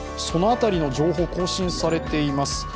その辺りの情報が更新されています。